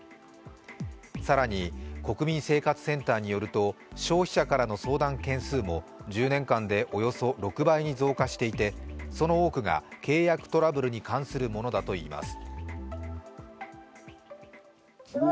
更に国民生活センターによると、消費者からの相談件数も１０年間でおよそ６倍に増加していてその多くが契約トラブルに関するものだといいます。